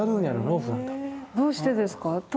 どうしてですか？